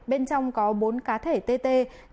bên trong có bốn cá thể tt